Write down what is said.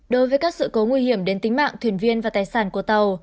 đối với các sự cố nguy hiểm đến tính mạng thuyền viên và tài sản của tàu